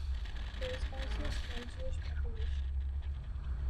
There is also a small Jewish population.